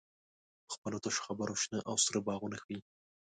په خپلو تشو خبرو شنه او سره باغونه ښیې.